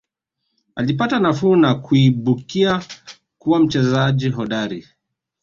Alipata nafuu na kuibukia kuwa mchezaji hodari